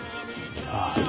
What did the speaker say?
ああ。